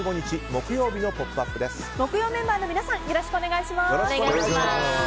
木曜メンバーの皆さんよろしくお願いします。